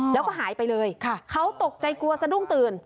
แล้วก็หายไปเลยเขาตกใจกลัวสะดุ้งตื่น